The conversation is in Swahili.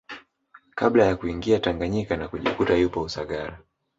Kabla ya kuingia Tanganyika na kujikuta yupo Usagara